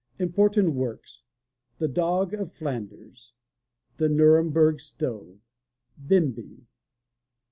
Important Works: The Dog of Flanders. The Nuremberg Stove. Bimbi.